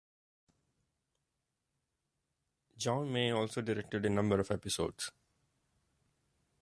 John May also directed a number of episodes.